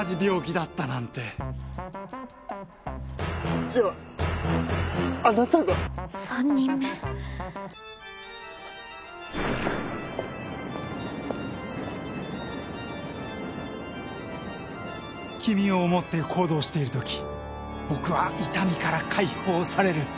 『トッカータとフーガ』君を思って行動しているとき僕は痛みから解放される。